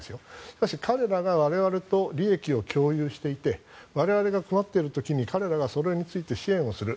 しかし、ＮＡＴＯが我々と利益を共有していて我々が困っている時に彼らがそれについて支援をする。